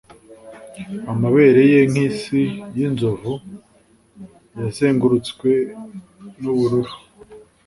amabere ye nk'isi y'inzovu yazengurutswe n'ubururu,